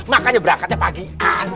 makanya berangkatnya pagian